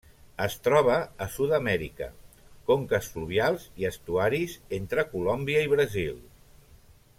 Es troba a Sud-amèrica: conques fluvials i estuaris entre Colòmbia i Brasil.